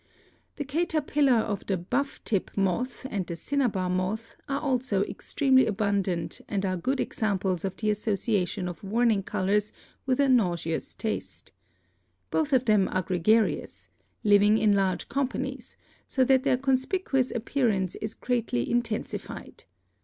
The caterpillar of the Buff tip Moth and the Cinnabar Moth are also extremely abundant and are good examples of the association of Warning Colors with a nauseous taste. Both of them are gregarious, living in large com panies, so that their conspicuous appearance is greatly in Fig. 45 — Warning Coloration. A salamander, showing gaudy coloring. tensified.